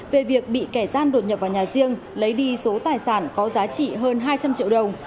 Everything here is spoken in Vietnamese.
về việc bị kẻ gian đột nhập vào nhà riêng lấy đi số tài sản có giá trị hơn hai trăm linh triệu đồng